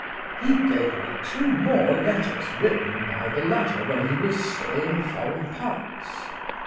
He gave me two more letters written by the latter when he was still in foreign parts.